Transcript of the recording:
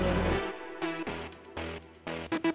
nah kita mau ke rumah